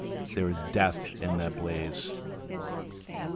there is death in the blaze.